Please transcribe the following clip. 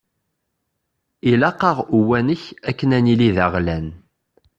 Ilaq-aɣ Uwanek akken ad nili d aɣlan.